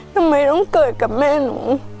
ทำไมต้องเกิดกับแม่หนู